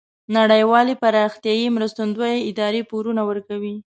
نړیوالې پراختیایې مرستندویه ادارې پورونه ورکوي.